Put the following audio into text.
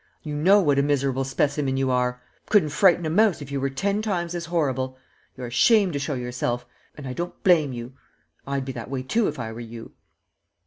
You know what a miserable specimen you are couldn't frighten a mouse if you were ten times as horrible. You're ashamed to show yourself and I don't blame you. I'd be that way too if I were you."